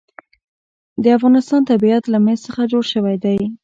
د افغانستان طبیعت له مس څخه جوړ شوی دی.